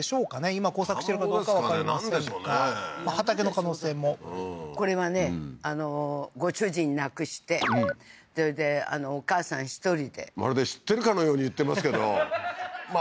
今耕作してるかどうかはわかりませんが畑の可能性もこれはねご主人亡くしてそれでお母さん１人でまるで知ってるかのように言ってますけどま